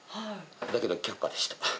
だけど、却下でした。